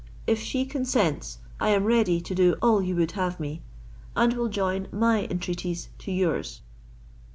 If she consents, I am ready to do all you would have me, and will join my entreaties to yours."